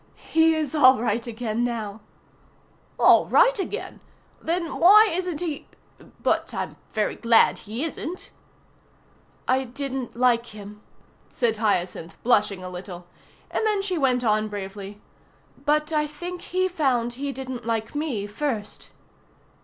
"He is all right again now." "All right again? Then why isn't he But I'm very glad he isn't." "I didn't like him," said Hyacinth, blushing a little. And then she went on bravely, "But I think he found he didn't like me first."